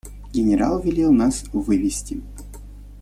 Генерал велел нас вывести.